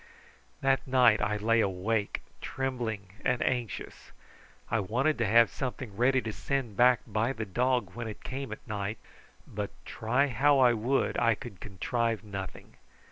That night I lay awake trembling and anxious. I wanted to have something ready to send back by the dog when it came at night, but try how I would I could contrive nothing.